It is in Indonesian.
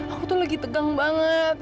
aku tuh lagi tegang banget